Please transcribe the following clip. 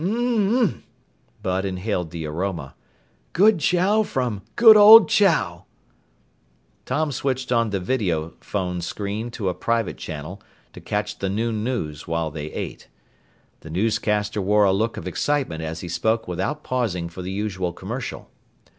"Mmm!" Bud inhaled the aroma. "Good chow from good old Chow!" Tom switched on the videophone screen to a private channel to catch the noon news while they ate. The newscaster wore a look of excitement as he spoke without pausing for the usual commercial.